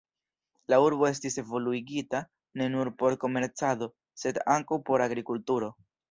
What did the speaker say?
La urbo estis evoluigita ne nur por komercado, sed ankaŭ por agrikulturo.